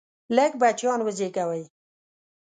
لږ بچیان وزیږوئ!